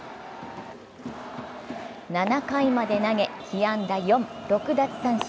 ７回まで投げ、被安打４、６奪三振。